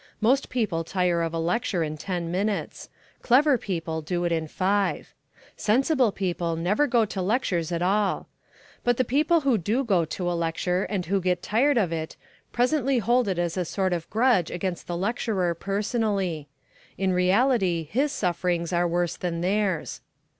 Most people tire of a lecture in ten minutes; clever people can do it in five. Sensible people never go to lectures at all. But the people who do go to a lecture and who get tired of it, presently hold it as a sort of a grudge against the lecturer personally. In reality his sufferings are worse than theirs.